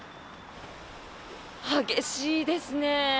激しいですね。